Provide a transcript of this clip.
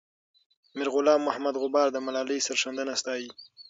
میرغلام محمد غبار د ملالۍ سرښندنه ستايي.